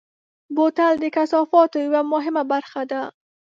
بوتل د کثافاتو یوه مهمه برخه ده.